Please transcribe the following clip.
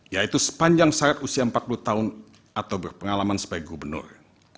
yaitu sepanjang saya usia empat puluh tahun atau berpengalaman sebagai gubernur